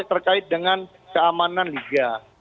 terkait dengan keamanan liga